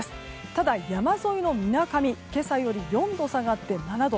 ただ、山沿いのみなかみ今朝より４度下がって７度。